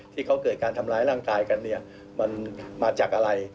ที่เขาเกิดการทำร้ายร่างกายกันเนี่ยมันมาจากอะไร